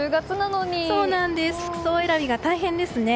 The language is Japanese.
服装選びが大変ですね。